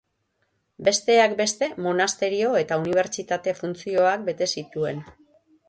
Besteak beste, monasterio eta unibertsitate funtzioak bete zituen.